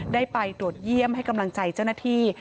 ได้ไปตรวจเยี่ยมให้กำลังใจเจ้าหน้าที่